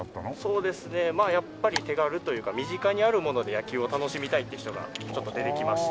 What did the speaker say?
そうですねまあやっぱり手軽というか身近にあるもので野球を楽しみたいって人がちょっと出てきまして。